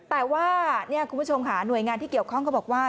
แต่ว่าคุณผู้ชมค่ะหน่วยงานที่เกี่ยวข้องเขาบอกว่า